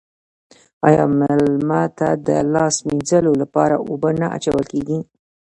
آیا میلمه ته د لاس مینځلو لپاره اوبه نه اچول کیږي؟